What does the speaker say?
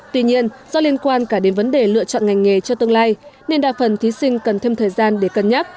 tuy nhiên do liên quan cả đến vấn đề lựa chọn ngành nghề cho tương lai nên đa phần thí sinh cần thêm thời gian để cân nhắc